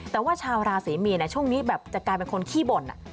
แต่ว่าชาวราศรีมีนช่วงนี้แบบจะกลายเป็นคนขี้บ่น